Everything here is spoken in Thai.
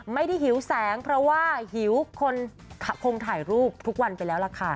หิวแสงเพราะว่าหิวคนคงถ่ายรูปทุกวันไปแล้วล่ะค่ะ